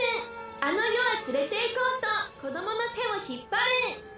あの世へ連れていこうと子どもの手を引っ張る。